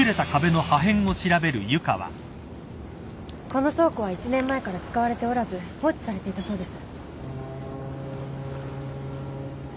この倉庫は１年前から使われておらず放置されていたそうです。